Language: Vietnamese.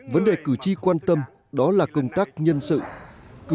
vấn đề cử tri quan tâm đó là công tác nhân sự